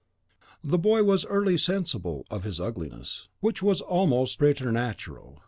The boy was early sensible of his ugliness, which was almost preternatural.